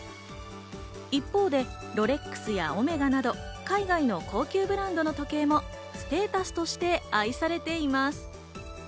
一方で、ロレックスやオメガなど海外の高級ブランドの時計もステータスとして愛されています。